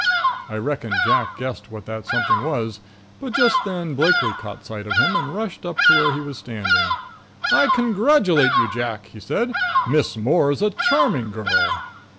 I reckon Jack guessed what that something was, but just then Blakely caught sight of him and rushed up to where he was standing. "I congratulate you, Jack," he said. "Miss Moore's a charming girl."